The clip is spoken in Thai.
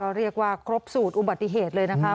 ก็เรียกว่าครบสูตรอุบัติเหตุเลยนะคะ